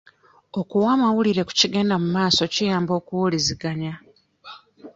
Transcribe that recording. Okuwa amawulire ku kigenda mumaaso kiyamba okuwuliziganya.